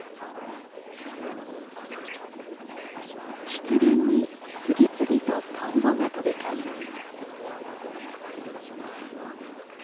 湿原に次々とトンボが飛び交います。